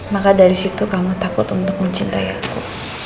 maka dari situ kamu takut untuk mencintai aku